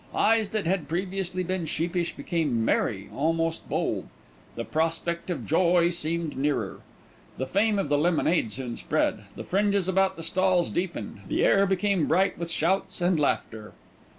Eyes that had previously been sheepish became merry, almost bold. The prospect of joy seemed nearer. The fame of the lemonade soon spread. The fringes about the stalls deepened. The air became bright with shouts and laughter.